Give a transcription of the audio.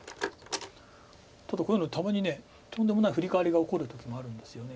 ただこういうのたまにとんでもないフリカワリが起こる時もあるんですよね。